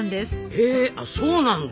へあそうなんだ！